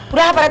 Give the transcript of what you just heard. udah lah pak rt